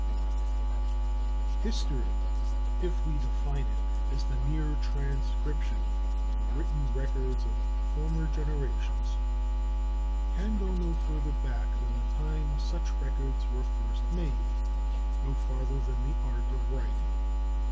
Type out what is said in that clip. HORNE History, if we define it as the mere transcription of the written records of former generations, can go no farther back than the time such records were first made, no farther than the art of writing.